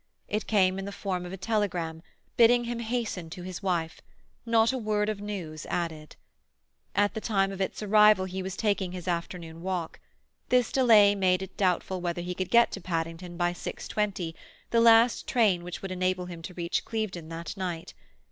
It came in the form of a telegram, bidding him hasten to his wife; not a word of news added. At the time of its arrival he was taking his afternoon walk; this delay made it doubtful whether he could get to Paddington by six twenty, the last train which would enable him to reach Clevedon that night.